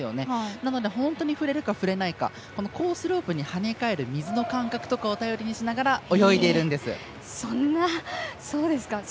なので本当に触れるか触れないかコースロープに跳ね返る水の感覚とかを頼りにしながら泳いでいるんです。